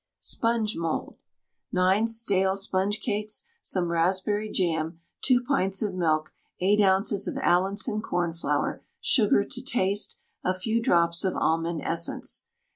SPONGE MOULD. 9 stale sponge cakes, some raspberry jam, 2 pints of milk, 8 oz. of Allinson cornflour, sugar to taste, a few drops of almond essence.